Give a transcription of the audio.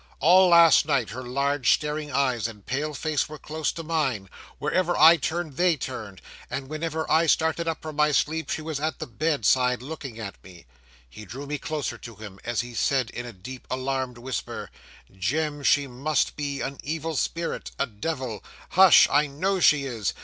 All last night, her large, staring eyes and pale face were close to mine; wherever I turned, they turned; and whenever I started up from my sleep, she was at the bedside looking at me." He drew me closer to him, as he said in a deep alarmed whisper, "Jem, she must be an evil spirit a devil! Hush! I know she is.